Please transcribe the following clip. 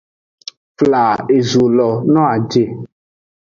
Fla ezo lo no a je.